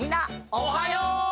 おはよう！